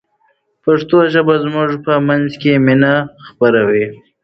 پښتو ژبه زموږ په منځ کې مینه خپروي.